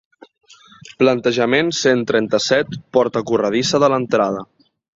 Plantejament cent trenta-set porta corredissa de l'entrada.